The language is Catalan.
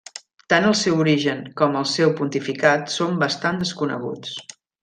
Tant el seu origen com el seu pontificat són bastant desconeguts.